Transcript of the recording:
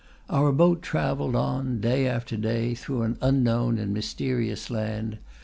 Our boat travelled on, day after day, through an unknown and mysterious land.